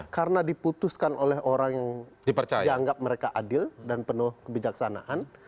karena diputuskan oleh orang yang dianggap mereka adil dan penuh kebijaksanaan